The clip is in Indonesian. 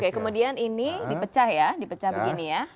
oke kemudian ini dipecah ya dipecah begini ya